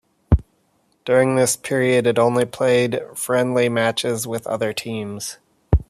During this period it only played friendly matches with other teams.